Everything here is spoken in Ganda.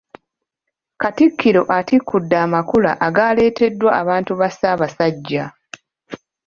Katikkiro atikudde amakula agaaleeteddwa abantu ba Ssaabasajja.